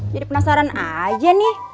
jadi penasaran aja nih